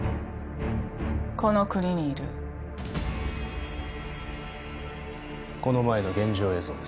この国にいるこの前の現場映像です